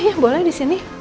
iya boleh disini